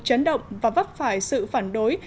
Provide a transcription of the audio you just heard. chấn động và vấp phải sự phản đối